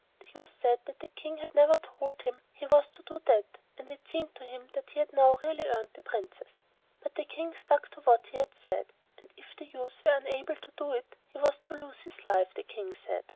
The youth said that the King had never told him he was to do that, and it seemed to him that he had now really earned the Princess; but the King stuck to what he had said, and if the youth were unable to do it he was to lose his life, the King said.